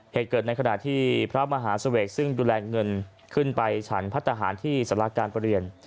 เหตุเกิดในขณะที่พระมหาเสวกซึ่งดูแลเงินขึ้นไปฉันพัฒนาหารที่สาราการประเรียน